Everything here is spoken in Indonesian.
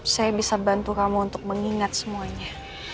saya bisa bantu kamu untuk mengingat semuanya